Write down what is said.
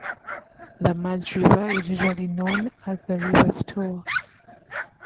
The merged river is usually known as the River Stour.